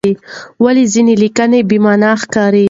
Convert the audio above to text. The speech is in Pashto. ولې ځینې لیکنې بې معنی ښکاري؟